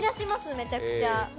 めちゃくちゃ。